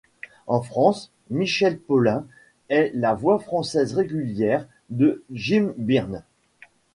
En France, Michel Paulin est la voix française régulière de Jim Byrnes.